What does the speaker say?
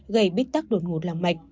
gây bít tắc đột ngột lòng mạch